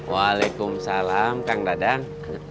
waalaikumsalam kang dadang